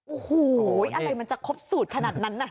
โอ้โหอะไรมันจะครบสูตรขนาดนั้นน่ะ